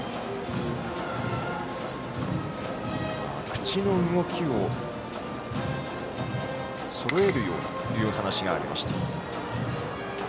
口の動きをそろえるようにという話がありました。